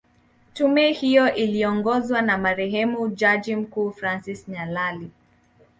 Tume hiyo iliongozwa na marehemu jaji mkuu Francis Nyalali